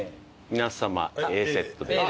皆さまＡセットで。